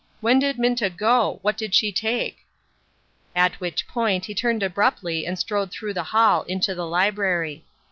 When did Minta go ? What did she take ?" At which point he turned abruptly and strode through the hall into the library.